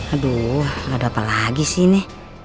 aduh ada apa lagi sih ini